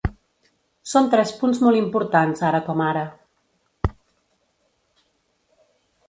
Són tres punts molt importants ara com ara.